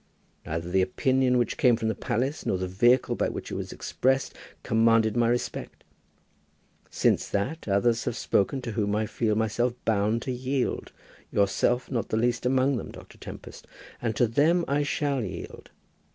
Neither the opinion which came from the palace, nor the vehicle by which it was expressed, commanded my respect. Since that, others have spoken to whom I feel myself bound to yield; yourself not the least among them, Dr. Tempest; and to them I shall yield.